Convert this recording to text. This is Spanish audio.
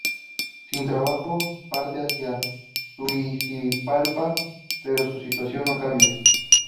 Sin trabajo, parte hacia Tegucigalpa pero su situación no cambia.